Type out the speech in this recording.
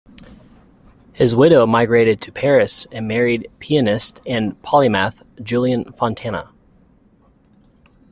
His widow migrated to Paris and married pianist and polymath Julian Fontana.